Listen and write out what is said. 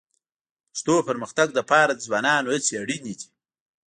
پښتو پرمختګ لپاره د ځوانانو هڅې اړیني دي